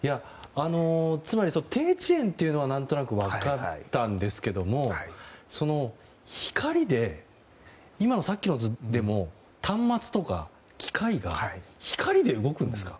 つまり、低遅延というのは何となく分かったんですがさっきの図でも端末とか機械が光で動くんですか？